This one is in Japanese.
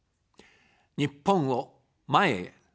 日本を、前へ。